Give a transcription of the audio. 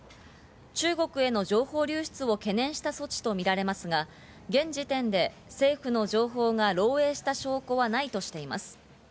中国への情報流出を懸念した措置とみられますが、現時点で政府の情報が漏えいした証拠はないとしています。